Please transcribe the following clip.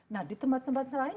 nah di tempat tempat lain